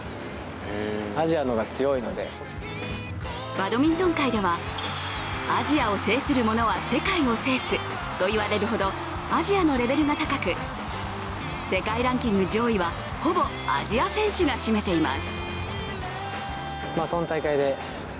バドミントン界ではアジアを制する者は世界を制すと言われるほどアジアのレベルが高く、世界ランキング上位はほぼアジア選手が占めています。